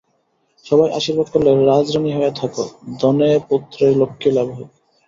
সবাই আশীর্বাদ করলে, রাজরানী হয়ে থাকো, ধনে-পুত্রে লক্ষ্মীলাভ হোক।